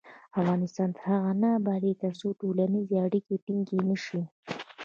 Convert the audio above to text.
افغانستان تر هغو نه ابادیږي، ترڅو ټولنیزې اړیکې ټینګې نشي.